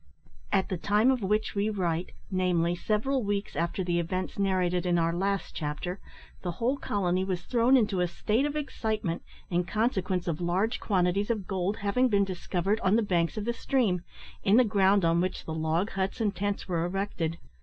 At the time of which we write, namely, several weeks after the events narrated in our last chapter, the whole colony was thrown into a state of excitement, in consequence of large quantities of gold having been discovered on the banks of the stream, in the ground on which the log huts and tents were erected.